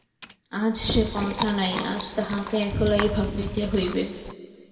আজ সে পন্থা নাই, আজ তাহাকে একলাই ভাবিতে হইবে।